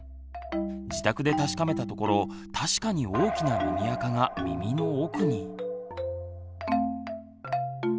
自宅で確かめたところ確かに大きな耳あかが耳の奥に。